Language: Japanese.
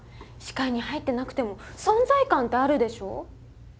視界に入ってなくても存在感ってあるでしょ？